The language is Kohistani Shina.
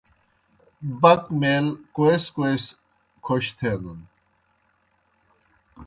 بک میک کوئے کوئے سہ کھوْش تھینَن۔